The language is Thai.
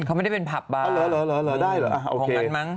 เขาไม่ได้เป็นผับบาลของนั้นมั้ง